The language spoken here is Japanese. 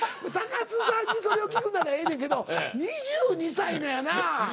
津さんにそれを聞くならええねんけど２２歳のやな。